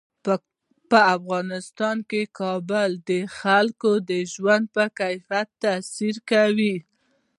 په افغانستان کې کابل د خلکو د ژوند په کیفیت تاثیر کوي.